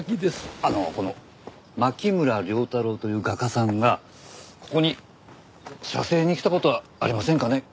あのこの牧村遼太郎という画家さんがここに写生に来た事はありませんかね？